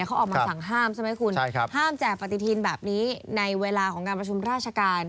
เขาออกมาสั่งห้ามใช่ไหมคุณห้ามแจกปฏิทินแบบนี้ในเวลาของการประชุมราชการ